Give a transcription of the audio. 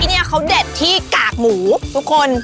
เนี่ยเขาเด็ดที่กากหมูทุกคน